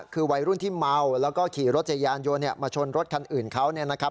คือวัยรุ่นที่เมาแล้วก็ขี่รถจักรยานยนต์มาชนรถคันอื่นเขาเนี่ยนะครับ